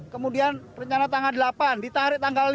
kemudian rencana tanggal delapan ditarik tanggal lima